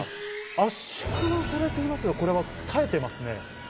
圧縮はされていますがこれは耐えてますね。